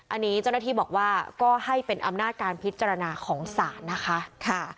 อันนี้เจ้าหน้าที่บอกว่าก็ให้เป็นอำนาจการพิจารณาของศาลนะคะ